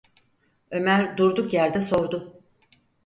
Ömer durduk yerde sordu: